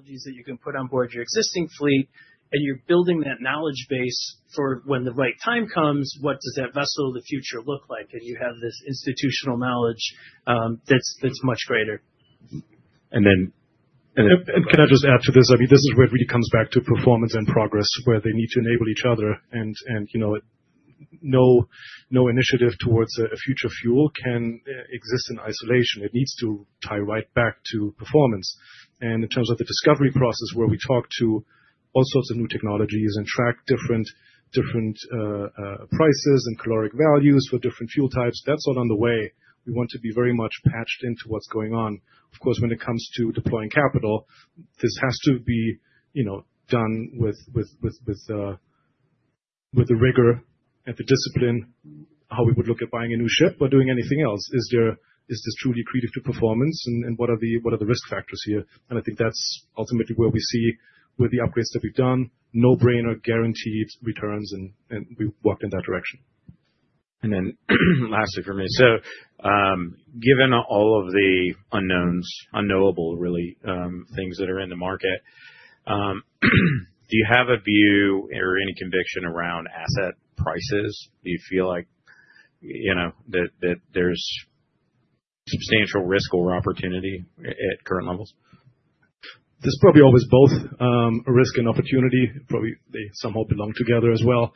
Technologies that you can put on board your existing fleet, and you're building that knowledge base for when the right time comes, what does that vessel of the future look like? And you have this institutional knowledge that's much greater. And then. And can I just add to this? I mean, this is where it really comes back to performance and progress where they need to enable each other. And no initiative towards a future fuel can exist in isolation. It needs to tie right back to performance. And in terms of the discovery process where we talk to all sorts of new technologies and track different prices and calorific values for different fuel types, that's all on the way. We want to be very much plugged into what's going on. Of course, when it comes to deploying capital, this has to be done with the rigor and the discipline how we would look at buying a new ship or doing anything else. Is this truly accretive to performance, and what are the risk factors here? And I think that's ultimately where we see with the upgrades that we've done, no-brainer guaranteed returns, and we've worked in that direction. And then lastly for me, so given all of the unknowns, unknowable really, things that are in the market, do you have a view or any conviction around asset prices? Do you feel like that there's substantial risk or opportunity at current levels? There's probably always both risk and opportunity. Probably they somehow belong together as well.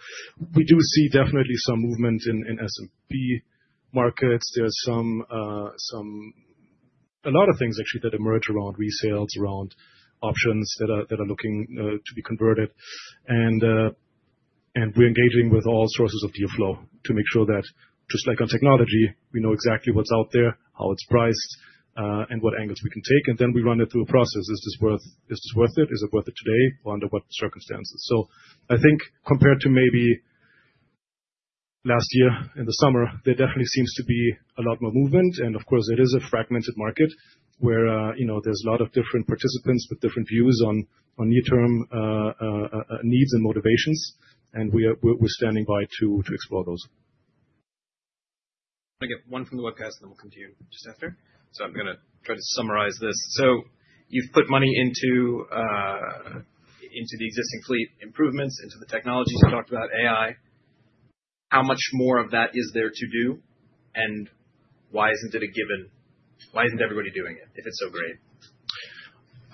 We do see definitely some movement in S&P markets. There's a lot of things actually that emerge around resales, around options that are looking to be converted. And we're engaging with all sources of deal flow to make sure that just like on technology, we know exactly what's out there, how it's priced, and what angles we can take. And then we run it through a process. Is this worth it? Is it worth it today? Under what circumstances? So I think compared to maybe last year in the summer, there definitely seems to be a lot more movement. And of course, it is a fragmented market where there's a lot of different participants with different views on near-term needs and motivations. We're standing by to explore those. I'm going to get one from the webcast, and then we'll come to you just after. I'm going to try to summarize this. You've put money into the existing fleet improvements, into the technologies you talked about, AI. How much more of that is there to do? Why isn't it a given? Why isn't everybody doing it if it's so great?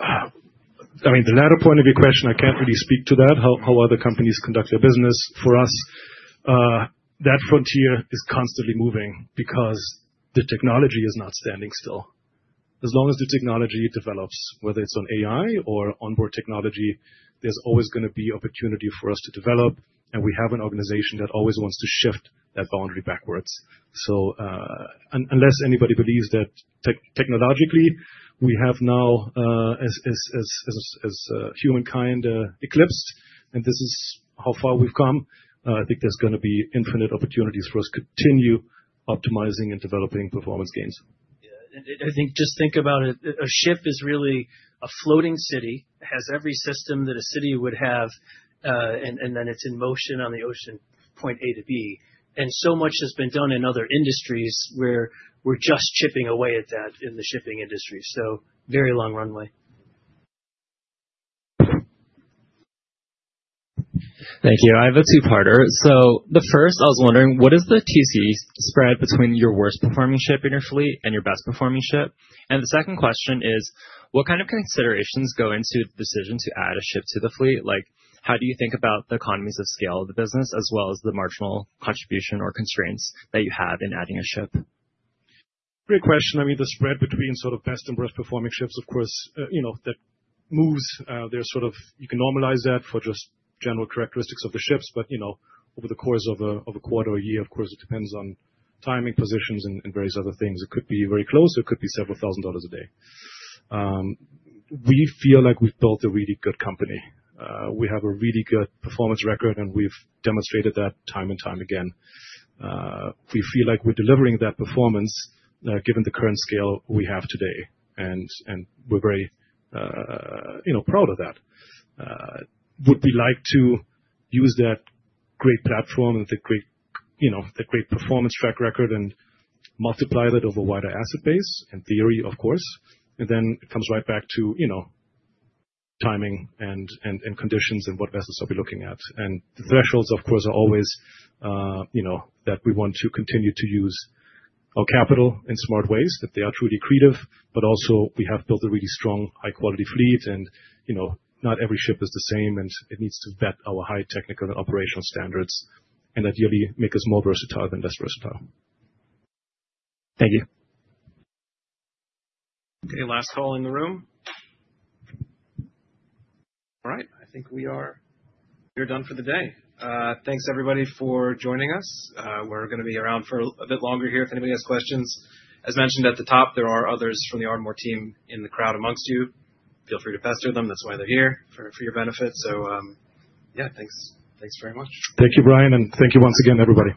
I mean, the latter point of your question, I can't really speak to that, how other companies conduct their business. For us, that frontier is constantly moving because the technology is not standing still. As long as the technology develops, whether it's on AI or onboard technology, there's always going to be opportunity for us to develop. We have an organization that always wants to shift that boundary backwards. So unless anybody believes that technologically we have now, as humankind, eclipsed, and this is how far we've come, I think there's going to be infinite opportunities for us to continue optimizing and developing performance gains. Yeah. And I think just think about it. A ship is really a floating city. It has every system that a city would have, and then it's in motion on the ocean point A to B. And so much has been done in other industries where we're just chipping away at that in the shipping industry. So very long runway. Thank you. I have a two-parter. So the first, I was wondering, what is the TC spread between your worst-performing ship in your fleet and your best-performing ship? And the second question is, what kind of considerations go into the decision to add a ship to the fleet? How do you think about the economies of scale of the business as well as the marginal contribution or constraints that you have in adding a ship? Great question. I mean, the spread between sort of best and worst-performing ships, of course, that moves, you can normalize that for just general characteristics of the ships, but over the course of a quarter or a year, of course, it depends on timing, positions, and various other things. It could be very close. It could be several thousand dollars a day. We feel like we've built a really good company. We have a really good performance record, and we've demonstrated that time and time again. We feel like we're delivering that performance given the current scale we have today, and we're very proud of that. Would we like to use that great platform and the great performance track record and multiply that over a wider asset base? In theory, of course. And then it comes right back to timing and conditions and what vessels are we looking at. And the thresholds, of course, are always that we want to continue to use our capital in smart ways, that they are truly creative. But also, we have built a really strong, high-quality fleet, and not every ship is the same, and it needs to vet our high technical and operational standards and ideally make us more versatile than less versatile. Thank you. Okay, last call in the room. All right. I think we are done for the day. Thanks, everybody, for joining us. We're going to be around for a bit longer here if anybody has questions. As mentioned at the top, there are others from the Ardmore team in the crowd among you. Feel free to pester them. That's why they're here for your benefit. So yeah, thanks very much. Thank you, Brian, and thank you once again, everybody.